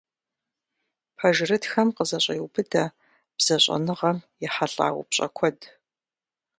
Пэжырытхэм къызэщӏеубыдэ бзэщӏэныгъэм ехьэлӏа упщӏэ куэд.